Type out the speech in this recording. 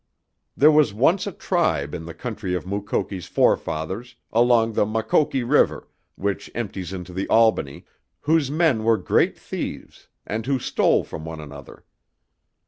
There was once a tribe in the country of Mukoki's fore fathers, along the Makoki River, which empties into the Albany, whose men were great thieves, and who stole from one another.